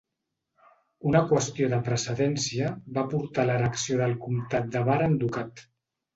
Una qüestió de precedència va portar a l'erecció del comtat de Bar en ducat.